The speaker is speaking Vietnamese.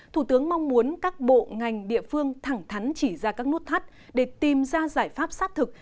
thủ tướng mong muốn các bộ ngành địa phương thẳng thắn chỉ ra các nút thắt để tìm ra giải pháp sát thực